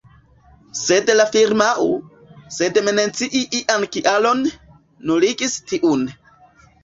Sed la firmao, sen mencii ian kialon, nuligis tiun.